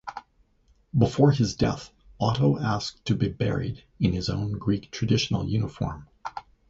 Before his death, Otto asked to be buried in his own Greek traditional uniform.